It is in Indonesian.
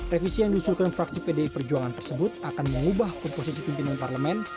revisi yang diusulkan fraksi pdi perjuangan tersebut akan mengubah komposisi pimpinan parlemen